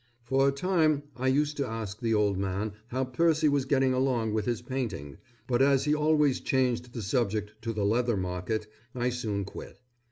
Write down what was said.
For a time, I used to ask the old man how Percy was getting along with his painting, but as he always changed the subject to the leather market, I soon quit.